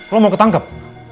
lo mau ketangkep